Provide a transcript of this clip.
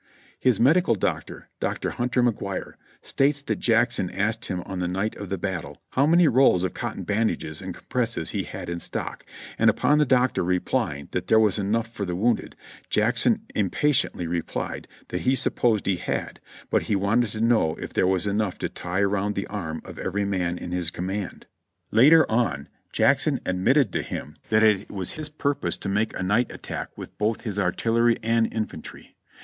His medical director. Doctor Hunter McGuire, states that Jackson asked him on the night of the battle how many rolls of cotton bandages and compresses he had in stock, and upon the doctor replying that there was enough for the wounded, Jackson impa tiently replied that he supposed he had, but he wanted to know if there was enough to tie around the arm of every soldier in his command. Later on Jackson admitted to him that it was his 320 JOHNNY REB AND BII,I,Y YANK purpose to make a night attack with both his artillery and in fantry.